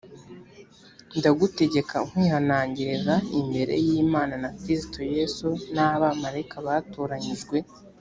ndagutegeka nkwihanangiriza imbere y imana na kristo yesu n abamarayika batoranyijwe